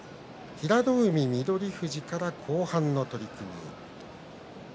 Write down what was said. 平戸海、翠富士から後半の取組です。